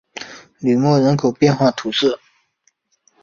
吕莫人口变化图示